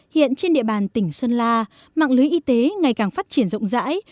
hiện trên địa bàn tỉnh sơn la mạng lưới y tế ngày càng phát triển rộng rãi